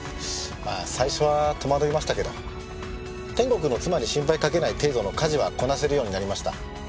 まあ最初は戸惑いましたけど天国の妻に心配かけない程度の家事はこなせるようになりました。